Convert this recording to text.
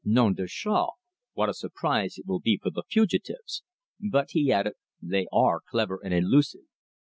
Non d'un chien! What a surprise it will be for the fugitives. But," he added, "they are clever and elusive.